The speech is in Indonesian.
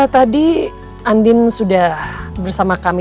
tadi andin sudah bersama kami